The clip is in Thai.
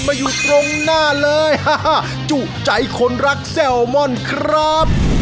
มาอยู่ตรงหน้าเลยจุใจคนรักแซลมอนครับ